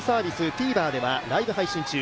ＴＶｅｒではライブ配信中。